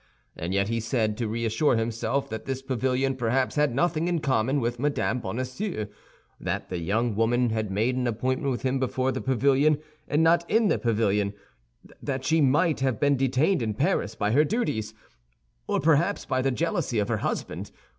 And yet he said, to reassure himself, that this pavilion perhaps had nothing in common with Mme. Bonacieux; that the young woman had made an appointment with him before the pavilion, and not in the pavilion; that she might have been detained in Paris by her duties, or perhaps by the jealousy of her husband.